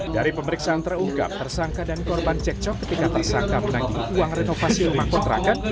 dari pemeriksaan terungkap tersangka dan korban cekcok ketika tersangka menanggi uang renovasi rumah kontrakan